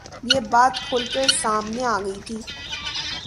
یہ بات کُھل کر سامنے آ گئی تھی